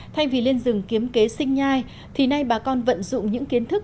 thay vì lên rừng kiếm kế sinh nhai thì nay bà con vận dụng những kiến thức